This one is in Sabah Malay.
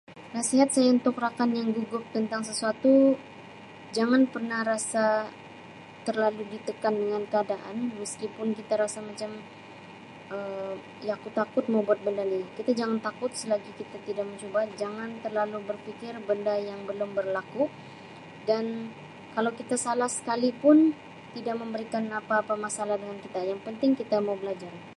Nasihat saya untuk rakan yang gugup tentang sesuatu jangan pernah rasa terlalu ditekan dengan keadaan meskipun kita rasa macam Um aku takut mau benda lain kita jangan takut selagi kita tidak mencuba jangan terlalu berfikir benda yang belum berlaku dan kalau kita salah sekali pun tidak memberikan apa-apa masalah dengan kita yang penting kita mau belajar.